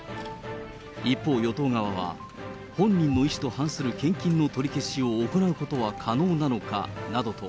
一方、与党側は、本人の意思と反する献金の取り消しを行うことは可能なのかなどと、